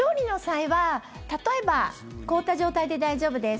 調理の際は例えば凍った状態で大丈夫です。